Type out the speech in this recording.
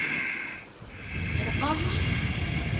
Ҡурҡаһың?